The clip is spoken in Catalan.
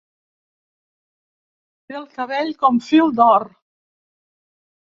Té el cabell com fil d'or.